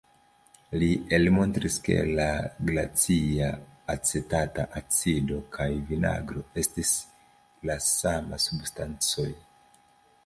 Li elmontris ke la glacia acetata acido kaj vinagro estis la sama substancoj.